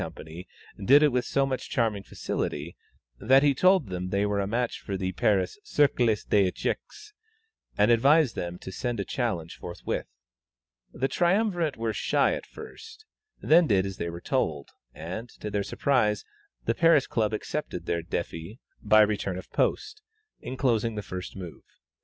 did it with so much charming facility, that he told them they were a match for the Paris Cercle des Echecs, and advised them to send a challenge forthwith. The triumvirate were shy at first, then did as they were told, and, to their surprise, the Paris Club accepted their défi by return of post, enclosing the first move.